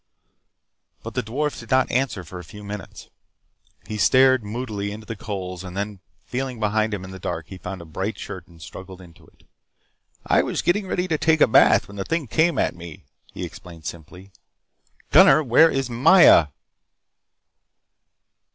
But the dwarf did not answer for a few minutes. He stared moodily into the coals, and then feeling behind him in the dark he found a bright shirt and struggled into it. "I was getting ready to take a bath when the thing came at me," he explained simply. "Gunnar! Where is Maya?"